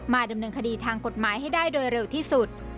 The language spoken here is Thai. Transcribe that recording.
ดำเนินคดีทางกฎหมายให้ได้โดยเร็วที่สุด